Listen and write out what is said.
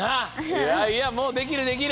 いやいやもうできるできる！